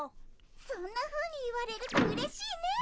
そんなふうに言われるとうれしいね。